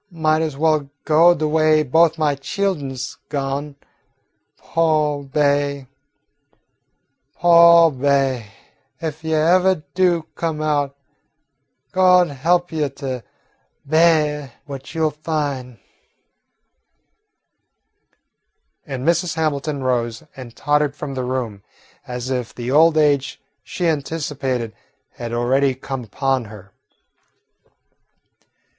I might as well go de way both my chillen 's gone. Po' Be'y, po' Be'y. Ef you evah do come out, Gawd he'p you to baih what you 'll fin'." And Mrs. Hamilton rose and tottered from the room, as if the old age she anticipated had already come upon her.